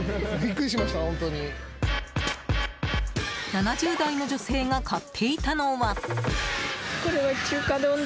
７０代の女性が買っていたのは。